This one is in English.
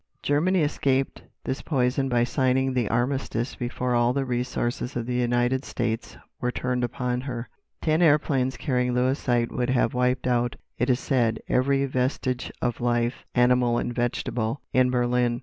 "Germany escaped this poison by signing the armistice before all the resources of the United States were turned upon her. "Ten airplanes carrying 'Lewisite' would have wiped out, it is said, every vestige of life—animal and vegetable—in Berlin.